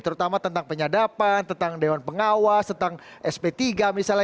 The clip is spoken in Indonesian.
terutama tentang penyadapan tentang dewan pengawas tentang sp tiga misalnya